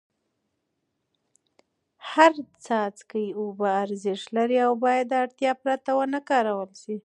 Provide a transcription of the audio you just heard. هر څاڅکی اوبه ارزښت لري او باید د اړتیا پرته ونه کارول سي.